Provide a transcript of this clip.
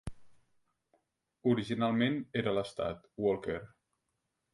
Originalment era l'estat Walker.